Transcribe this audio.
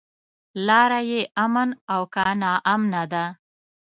لاره يې امن او که ناامنه ده.